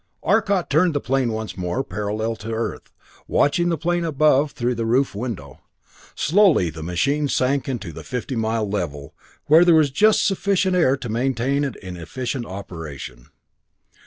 Arcot turned the plane once more, parallel to the Earth, watching the plane above through the roof window. Slowly the machine sank to the fifty mile level, where there was just sufficient air to maintain it in efficient operation.